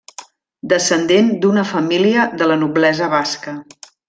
Descendent d'una família de la noblesa basca.